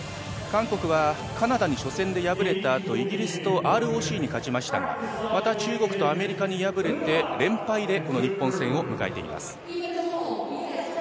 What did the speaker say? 韓国はカナダに初戦で敗れたあとイギリスとＲＯＣに勝ちましたがまた中国とアメリカに敗れて連敗でこの日本戦を迎えています。